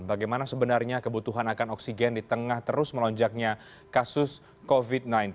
bagaimana sebenarnya kebutuhan akan oksigen di tengah terus melonjaknya kasus covid sembilan belas